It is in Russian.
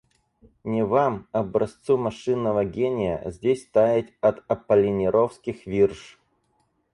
Не вам — образцу машинного гения — здесь таять от аполлинеровских вирш.